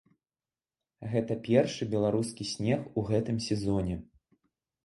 Гэта першы беларускі снег у гэтым сезоне.